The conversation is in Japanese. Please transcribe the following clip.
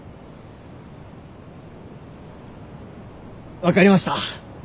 分かりました。